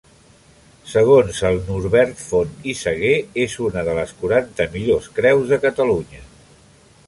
Segons el Norbert Font i Saguer és una de les quaranta millors creus de Catalunya.